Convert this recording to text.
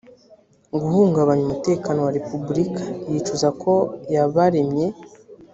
guhungabanya umutekano wa repubulika yicuza ko yabaremye